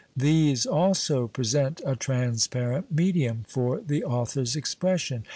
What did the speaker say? These also present a " transparent medium " for the author's expression.